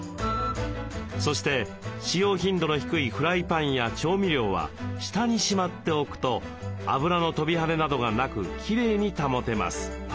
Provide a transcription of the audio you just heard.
そして使用頻度の低いフライパンや調味料は下にしまっておくと油の飛び跳ねなどがなくきれいに保てます。